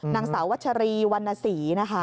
นางสาววัชรีวันนสี